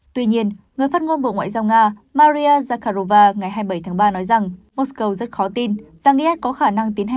tuy nhiên người phát ngôn bộ ngoại giao nga maria zakharova ngày hai mươi bảy tháng ba nói rằng mosco rất khó tin rằng is có khả năng tiến hành